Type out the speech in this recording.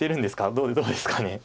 どうですかね。